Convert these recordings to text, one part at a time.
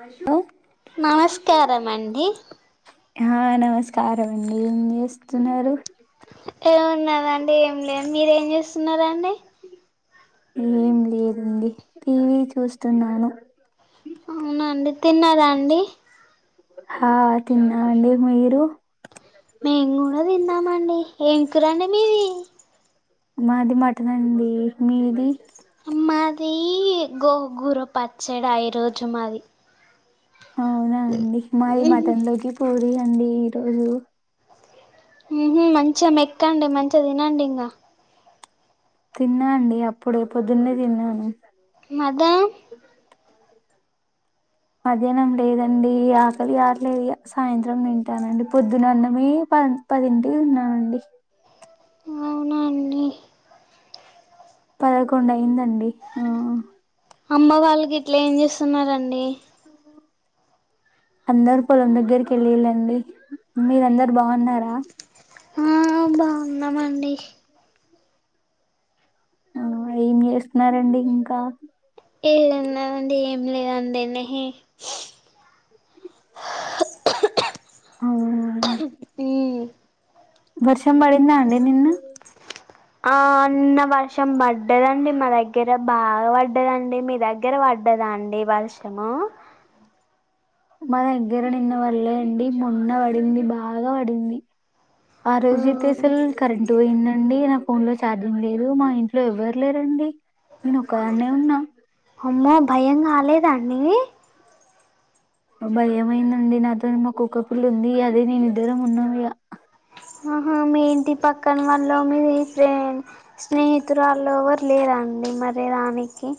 Hello. నమస్కారం అండి ఆ నమస్కారం అండి ఏం చేస్తున్నారు. ఏమున్నాదండి ఏం లేదు మీరు ఏం చేస్తున్నారండి. ఏం లేదండి టీవీ చూస్తున్నాను. అవునా అండి తిన్నారా అండి. హా తిన్నాం అండి మీరు. మేము కూడా తిన్నామండి ఏం కూర అండి మీది. మాది మటన్ అండి మీది. మాది గోగుర పచ్చాడ ఈరోజు మాది. అవునా అండి మాది మటన్ లోకి పూరి అండి ఈరోజు. ఊహ్మ్ మంచిగ మెక్కండి మంచిగా తినండి ఇంగా. తిన్నా అండి అప్పుడే పొద్దున్నే తిన్నాను. మదా. మధ్యాహ్నం లేదండి ఆకలి కాట్లేదు ఇగ సాయంత్రం తింటానండి పొద్దున అన్నమే. ప పదింటికి తిన్నానండి. అవునండి పదకొండు అయింది ఆండి ఆ. అమ్మ వాళ్లుగిట్ల ఏం చేస్తున్నారండి. ఆ. [inaudible] అందరు పొలం దగ్గరికి వెళ్ళిళ్ళండి మీరందరు బాగున్నారా. ఆ బాగున్నామండి. ఆ ఏం చేస్తున్నారండి ఇంకా. ఏం ఉన్నది అండి ఏం. లేదు అండి నిహే. ఆ హ్మ్. వర్షం పడిందా అండి నిన్న. ఆ నిన్న వర్షం పడ్డదండి మా దగ్గర బాగా పడ్డదండి మీ దగ్గర. పడ్డదా అండి వర్షము. మా దగ్గర నిన్న వళ్లే అండి మొన్న పడింది బాగా పడింది. ఆ రోజు అయితే అసల్ కరంట్ పోయింది. అండి నా ఫోన్ లో ఛార్జింగ్ లేదు మా ఇంట్లో ఎవ్వరు లేరండి. నేను ఒక్కదాన్నే ఉన్నా అమ్మో భయం కాలేదా అండి. భయం అయింది అండి నాతో మా కుక్క పిల్ల ఉంది అదీ నేను ఇద్దరం ఉన్నాము ఇగ. ఆహా మీ ఇంటి పక్కన వల్లొ మీ ఫ్రెండ్ స్నేహితురాల్లో ఎవరు లేరండి. మరే రానికి.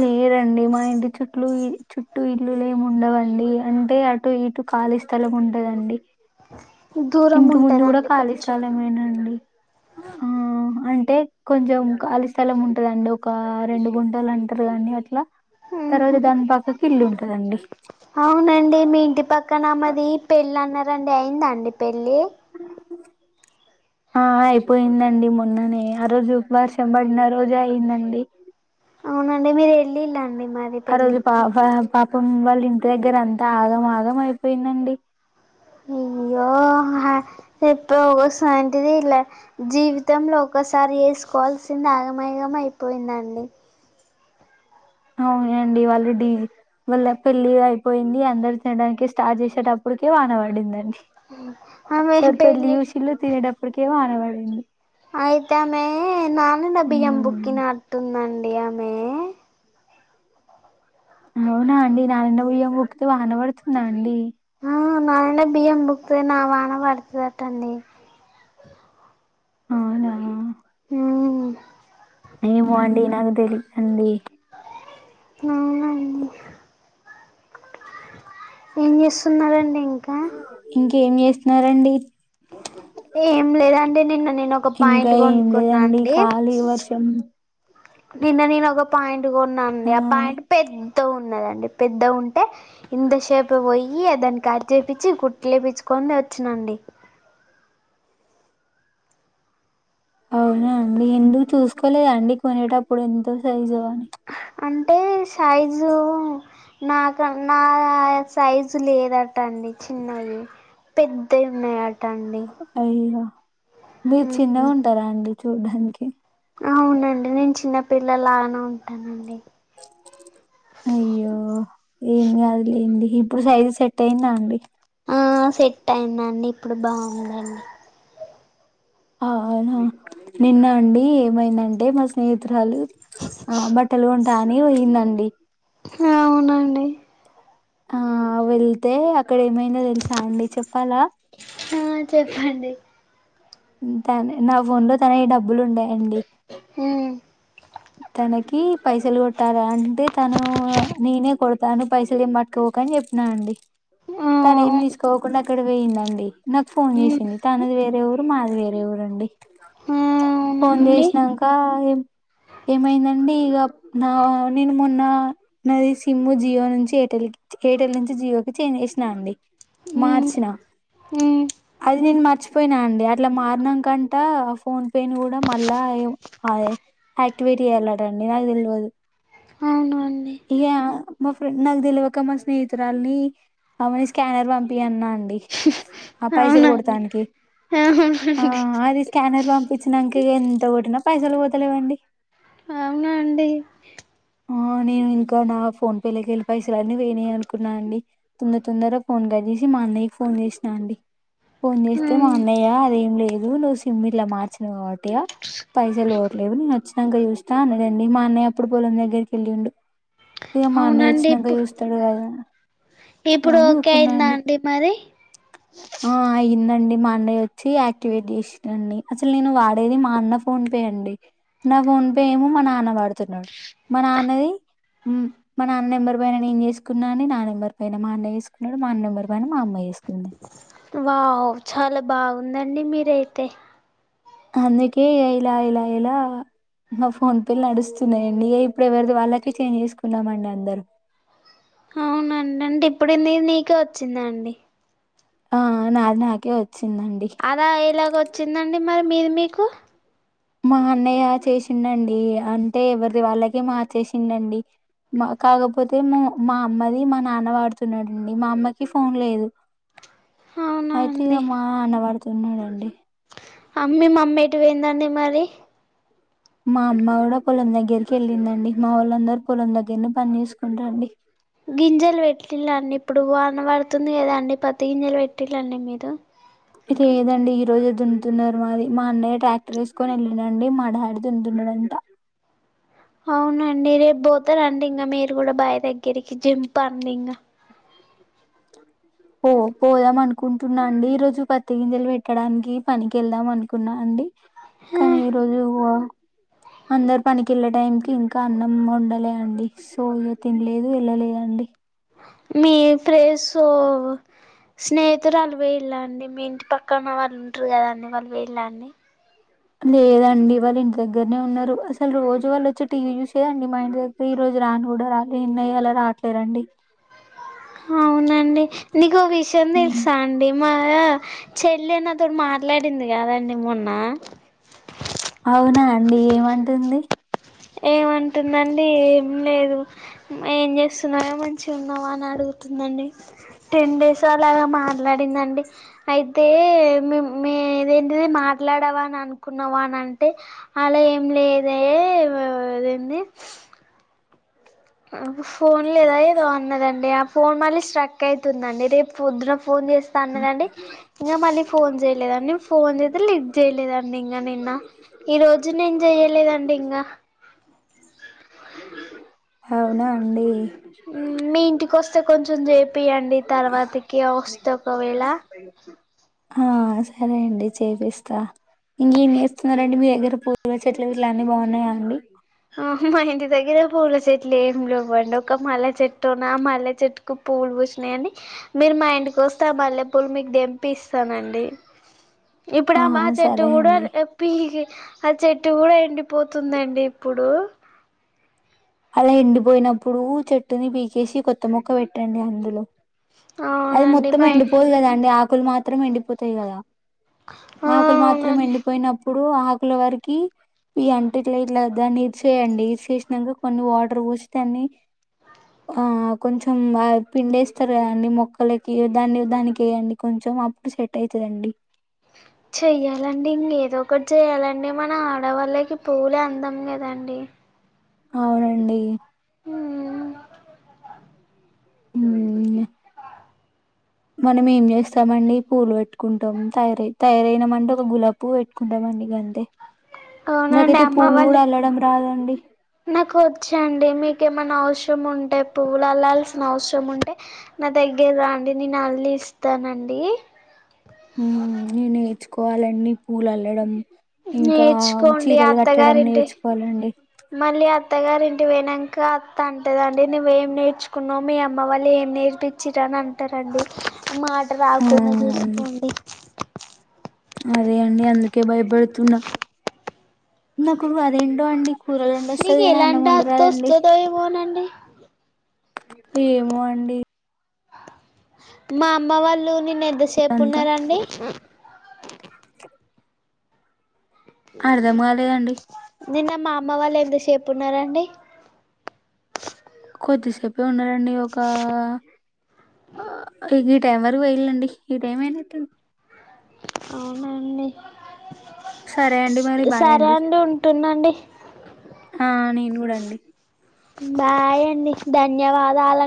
లేదండి మా ఇంటి చుట్లు చుట్టూ ఇల్లులు ఏమి ఉండవు అండి అంటే అటు. ఇటు ఖాళీ స్థలం ఉంటాదండి. దూరం ఇంటి ముందు కూడా ఉంటదండి ఖళీ కొంచెం స్థలమేనాండి ఆ. అంటే కొంచం ఖాళి స్థలం ఉంటాదండి ఒక రెండు గుంటలు అంటారు గా అండి అట్లా. తర్వాత ఉహు దాని పక్కకి ఇల్లు ఉంటాది. అవునండి మీ ఇంటి పక్కన ఆమెది పెళ్ళి అన్న రండి అయిందా అండి పెళ్ళి. ఆ. ఆ అయిపోయిందండి మొన్ననే ఆ రోజు వర్షం పడిన రోజే అయింది అండి అవునండి మీరు ఏళ్ళిలండి ఆ రోజు పాప పాపం వాళ్ళ ఇంటి దగ్గర అంతా ఆగం ఆగం అయిపోయిందండి ఆ. ఆ చెప్ప సాంటిది ఇలా జీవితంలో ఒక్కసారి వేసుకోవాల్సింది ఆగమగమై అయిపోయిందండి. అవునండి వాళ్ళు డి వాళ్ళ పెళ్ళి అయిపోయింది అందరు తినడానికి స్టార్ట్ చేసేటప్పు కే వాన పడిందండి ఆమె అందరు పెళ్లి పెళ్ళి చూషిల్లు తినేటప్పుడుకే వాన పడిం అయితే ఆమె ననిండే బియ్యము ఉమ్. బుక్కినట్టు ఉంది అండి ఆమె అవునా అండి ననిన బియ్యం కుక్కితే వాన పడుతుంద అండి ఆ నాన్న బియ్యం ముక్తే నా వాన పడుతుందట్టండి అవునా ఉమ్ ఎమో అండి నాకు తెలి దండి అవునా ఏం చేస్తున్నారండి ఇంకా ఇంకేం చేస్తున్నారండి ఏం లేదండి నిన్న నేను ఒక ఇంకా పాయింట్ ఏం కొనుక్కున్నా లేదండి అండి ఖాళీ వర్షం నిన్న నేను ఒక పాయింట్ కొన్నా అండి ఆ పాయింట్ పెద్ ద్ద ఉన్నదండి పెద్ద ఉంటే ఇంత సేపు పోయి దాన్ని కట్ చేపిచ్చి కుట్ లేపిచ్ కొని వచ్చినండి అవునా అండి ఎందుకు చూసుకోలేద అండి కొనేటప్పుడు ఎంతో సైజు అని అంటే సైజు నాక నా సైజు లేదట అం చిన్నవి పెద్ద ఉన్నాయి అ అయ్యో మీరు చిన్నగా ఉంటార అండి చూడ్డానికి అవునండి నేను చిన్నపిల్లలానే ఉంటానండి అయ్యో ఏం కాదులేండి ఇప్పుడు సైజు సెట్ అయింద అండి ఆ సెట్ అయిందండి ఇప్పుడు బాగుందండి అవునా నిన్న అండి ఏమైందంటే మా స్నేహితురాలు ఆ బట్టలు కొంటా అని పోయిందండి అవునండి ఆ వెళ్తే అక్కడ ఏమైందో తెలుసా అండి చె ఆ చెప్పండి తను నా ఫోన్ లో తనవి డబ్బులు ఉన్నాయండి తనకి పైసలు కొట్టాలి అంటే తను నేనే కొ తను పైసలు ఏమట్టుకోకని చెప్పినాను అండి ఆ తను ఏం ఆ తీసుకోకుండా అక్కడ పొయిందండి నాకు ఫోన్ ఉమ్. చేసింది తనది వేరే ఊరు మాది వేరే ఊరండి హా అవునా ఫోన్ చేసినాంక ఏమైంది అండి ఇగ నా నేను మొన్న నాది సిమ్ జియో నుంచి ఎయిర్టెల్ ఎయిర్టెల్ నుంచి జి చేన్జ్ చేసినా అండి ఉమ్ మార్చిన ఉమ్ అది నేన్ మార్చ్ పోయినా అండి అట్లా మారినా కంట ఆ ఫోన్ పెయిన్ కూడ మళ్ళా యాక్టివేట్ చెయ్యలాడండి నాకు తెలియదు అవునండి ఇక మా ఫ్రెండ్ అని తెలివక మా స్నేహతురాల్ని అమని స్కానర్ పంపి అన్నా అండి ఆ పైసలు కొడతానికి ఆ అవునండి నాకు ఎంత కోట్టిన పైసలు పోతలేవండి అండి ఆ నేను ఇంకా నా ఫోన్ పేలకెళ్ళి పైసలు అన్నీ పోయినేయి అనుకున్నాను అండి తొంద తొందర ఫోన్ కట్ సి మా అన్నయ్యకి ఫోన్ చేసినా అండి ఫోన్ చేస్తే మా అవును అన్నయ్య అదేం లేదు నువ్వు సిమ్ ఇట్ల మార్చినవు కాబట్టిగా పైసలు పోవట్లేవు నేను వచ్చినంక చూస్తా అన్నాడండి మా అన్నయ్య అప్పుడు పొలం దగ్గరికి వెళ్లిండు ఇక మా అన్నయ్య అవునండి వచ్చినంక ఇప్పు చూస్తాడు కదా ఇప్పుడు అని ఓకే అయిందా ఊకున్నాండి అండి మరి ఆ అయిందండి అండి మా అన్నయ వచ్చి యాక్టివేట్ చేసిండండి అసలు నేను వాడేది మా అన్న ఫోన్ పే అండి నా ఫోన్ పే ఏమో మా నాన్న వాడుతున్నాడు మా నాన్నది మా నాన్న నెంబర్ పైన నేను చేసుకున్నాఅని నెంబర్ పైన మా అన్నయ్య చేసుకున్నాడు మా నెంబర్ పైన మా అమ్మ చేసుకుంది వావ్ చాలా బాగుందండి మీరయితే అందుకే ఇగ ఇలా ఇలా ఇలా మా ఫోన్ పేలు నడుస్తున్నాయండి ఏ ఇప్పుడు ఎవరితే వాళ్ళకే చేంజ్ చేసుకున్నామండి అందరు ఏంటే ఇప్పుడు నీది నీకే వచ్చిందా అండి అ నాది నాకే వ అలా ఎలాగ వచ్చిందండి మరి మీది మీకు మా అన్నయ్య చేసిండండి అంటే ఎవరి వాళ్ళకె మార్చేసిండండి మా కాకపోతే మా మా అమ్మది మా నాన్న వాడుతున్నాడండి మా అమ్మకి ఫోన్ లేదు అవునా అయితే అండి ఇక మా అన్నవాడుతున్నాడండి అమ్మీ మమ్మీ ఎటు పోఇందండి మరి మా అమ్మ కూడా పొలం దగ్గరికి వెళ్ళిందండి మా వొళ్ళందరు పొలం దగ్గర నే పని చేసుకుంటండి గింజలు పెట్టిళండి ఇప్పుడు వాన పడుతుంది కదా అండి పత్తి గింజలు పెట్టిళండి మీరు లేదండి ఈ రోజు దున్ను తున్నరు మాది మా అన్నయ్య ట్రాక్టర్ వేసుకొని వెళ్ళినండి మా డాడి దున్ను తున్నాడంట అవునండి రేపు పోత రండి ఇంకా మీరు కూడా బాయ్ దగ్గరికి జింప్ అండి ఇంకా పో పోదాం అనుకుంటున్నా అండి ఈ రోజు పత్తి గింజలు పెట్టడానికి పనికి వెళ్దాం అనుకున్నా అండి కానీ ఈ రోజు పో అందరు పనికి వెళ్లే టైంకి ఇంకా అన్నం వండలే అండి సో ఇ తినలేదు వెళ్ళలేదండి మీ ఫ్రెస్సు స్నేహితురాళ్లు వేఇల్ళండి మీ ఇంటి పక్కన వాళ్ళు ఉంటారు కదాండి వాలు వేఇల్ళండి లేదండి వాళ్ళ ఇంటి దగ్గరనే ఉన్నరు అసలు రోజు వాళ్ళ వచ్చి టీవీ చూసేదండి మా ఇంటి దగ్గర ఈ రోజు రాని కూడా రాలే ఎన్నయ్య ఇలా రాట్లేరండి అవునండి నీకొ విషయం ఉమ్. తెలుసా అండి మా చెల్లి నా తోడు మాట్లాడింది కదండి మొన్న అవునా ఏమంటుంది ఏమంటుందండి ఏం లేదు ఏం చేస్తున్నారా మంచి ఉన్నావా అని అడుగుతుందండి టెన్ డేస్ అలాగా మట్లా మరిందండి అయితే మే మేదేంటిది మాట్లాడవా అని అనుకున్నావా అని అంటే అలా ఏం లేదే గదేంది ఫోన్ లేదా ఏదో అన్నదండి ఆ ఫోన్ మళ్ళీ స్ట్రక్ అయితుందండి రేపు పొద్దున ఫోన్ చేస్తా అన్నదండి ఇంగ మళ్ళీ ఫోన్ చేయలేదండి ఫోన్ చేస్తే లిఫ్ట్ చేయలేదండి ఇంకా నిన్న ఈ రోజు నేను చెయ్యలేదండి ఇంగా అవునా అండి మీ ఇంటికి వస్తే కొంచెం చేపియండి తర్వాతకి వస్తే స్తే ఒకవేళ హా సరే అండి చేపిస్తా ఇంకేం చేస్తున్నారండి మీ దగ్గర పూల చెట్లు ఇట్ల అన్నీ బాగున్నాయా అండి హా హా మా ఇంటి దగ్గర పూల చెట్లు ఏం లేవ్వండి ఒక మల్లె చెట్టు ఆ మల్లె చెట్టుకు పూలు పూసినాయి అండి మీరు మా ఇ ఇంటికీ వస్తె ఆ మల్లె పూలు మీకు దెంపి ఇస్తానండి ఇప్పుడు ఆ మా చెట్టు సరే కూడా అండి పికి ఆ చెట్టు కూడా ఎండిపోతుంది అండి ఉ అలా ఎండిపోయినప్పుడు చెట్టుని పీకేసి కొత్త మొక్క పెట్టండి అందులో అది అవునండి మొత్తం మా ఎండిపోదు కదా అండి ఆకులు మాత్రం ఎండిపోతాయి కదా ఆ ఆకులు మాత్రం అవునండి ఎండిపోయినప్ ఇప్పుడు ఆకుల వరకి ఈ అంటిట్లా ఇట్లా దాన్ని ఇరిసేయండి ఇరిసేసినంక కొన్ని వాటర్ వొసి తన్ని అ కొంచెం ఆ పిండేస్తారు అండి మొక్కలకి దాన్ని దానికేయండి కొంచెం అప్పుడు సెట్ సెట్ అయితది అండి చెయ్యాలండి ఇంగా ఏదో ఒకటి చేయాలండి మన ఆడవాళ్ళకి పులె అందం కదా అండి అవునండి మ్ మ్ యా మనం ఏం చేస్తామండి పూలు పెట్టుకుంటాం తయారై తయారైనా మంటే ఒక గులాబి పూవు పెట్టుకుంటామ్ అండి అన్ని గంతే అవునండి నాకైతే అమ్మ పూలు వాళ్ళు కూడా అల్లడం రాదండి నాకు వచ్చండి మీకేమన్నా హౌసు టైం ఉంటే పువ్వులు అల్లాల్సిన అవసరం ఉంటే నా దగ్గరకు రండి నేను అళ్ళీస్తానండి మ్ నేను నేర్చుకోవాలండి పూలు అల్లడం ఇంకా నేర్చుకోండి చీరలు కట్టడం అత్తగారింటి నేర్చుకోవాలండి మళ్ళీ అత్ అత్తగారి ఇంటికి పోయినంక అత్త అంటదండి నువ్వేం నేర్చుకున్నావు మీ అమ్మ వాళ్ళు ఏం నేర్పించిర్రు అంటారండి మాట రాకుండా అవునండి చూసుకోండి అదే అండి అందుకే భయపడుతున్నా నాకు అదేంటో అండి కూరలు అన్ని వస్తాయి నీకు కానీ అన్నం ఎలాంటి అత్త వండరాదండి వస్తదో ఏమోనండి ఏమో అండి మా అమ్మ వాళ్ళు ని ఇంగ ఎంత సేపు అంతా ఉండాలండి అర్ధం కాలేదండి నిన్న మా అమ్మ వాళ్ళు ఎంతసేపు ఉన్నరండి కొద్దిసేపే ఉన్నారండి ఒకా ఈ టైం వరకు వేయిల్లండి ఈ టైం ఐనట్టే అవునా అండి సరే అండి మరి బాయ్ సరే అండి ఉంటుందండి ఆ నేను కూడా అండి బాయ్ అండి ధన్యవాదాలు